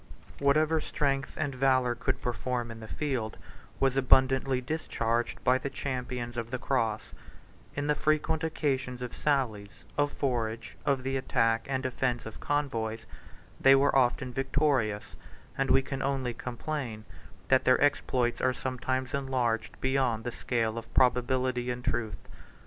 Whatever strength and valor could perform in the field was abundantly discharged by the champions of the cross: in the frequent occasions of sallies, of forage, of the attack and defence of convoys, they were often victorious; and we can only complain, that their exploits are sometimes enlarged beyond the scale of probability and truth.